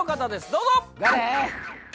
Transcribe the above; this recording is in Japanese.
どうぞ誰？